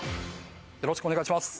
よろしくお願いします。